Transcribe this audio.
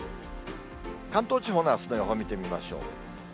関東地方のあすの予報見てみましょう。